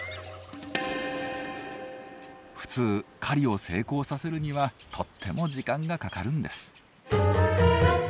普通狩りを成功させるにはとっても時間がかかるんです。